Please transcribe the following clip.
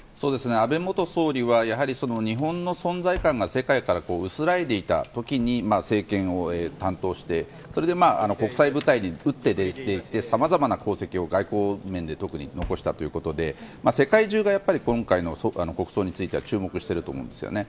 安倍元総理は日本の存在感が世界から薄らいでいた時に政権を担当してそれで国際舞台に打って出て行ってさまざまな功績を外交面で特に残したということで世界中が今回の国葬について注目していると思うんですよね。